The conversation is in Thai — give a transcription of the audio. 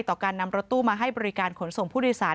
ต่อการนำรถตู้มาให้บริการขนส่งผู้โดยสาร